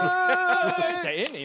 ええねん！